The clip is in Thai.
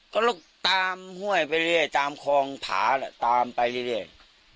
ก็ลุกตามห้วยไปเรื่อยตามคลองผาแหละตามไปเรื่อย